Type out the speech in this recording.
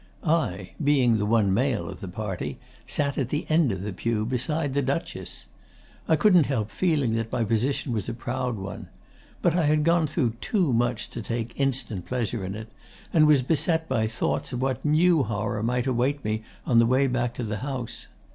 I, being the one male of the party, sat at the end of the pew, beside the Duchess. I couldn't help feeling that my position was a proud one. But I had gone through too much to take instant pleasure in it, and was beset by thoughts of what new horror might await me on the way back to the house.